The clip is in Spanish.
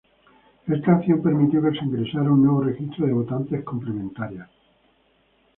Esta acción permitió que se ingresara un nuevo registro de votantes complementaria.